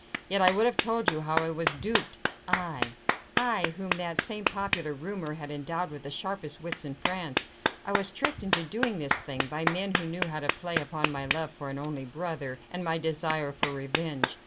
Yet I would have told you how I was duped! Aye! I, whom that same popular rumour had endowed with the sharpest wits in France! I was tricked into doing this thing, by men who knew how to play upon my love for an only brother, and my desire for revenge.